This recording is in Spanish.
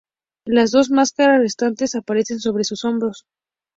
Las dos máscaras restantes aparecen sobre sus hombros.